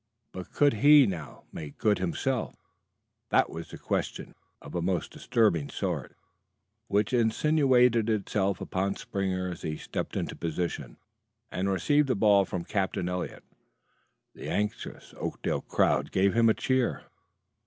But could he now "make good" himself? That was the question, of a most disturbing sort, which insinuated itself upon Springer as he stepped into position and received the ball from Captain Eliot. The anxious Oakdale crowd gave him a cheer.